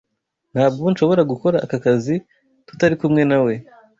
Ntabwo nshobora gukora aka kazi tutari kumwe nawe.